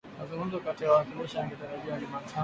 Mazungumzo kati ya wawakilishi yangetarajiwa Jumatano